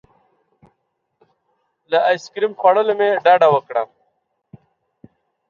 له ایس کریم خوړلو مې ډډه وکړه.